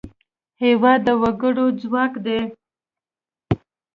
هېواد د وګړو ځواک دی.